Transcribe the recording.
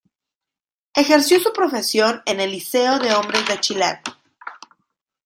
Ejerció su profesión en el Liceo de Hombres de Chillán.